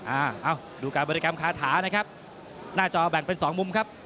เอ้าดูการบริกรรมคาถานะครับหน้าจอแบ่งเป็นสองมุมครับ